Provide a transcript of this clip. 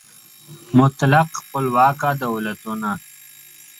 مطلق خپلواک دولتونه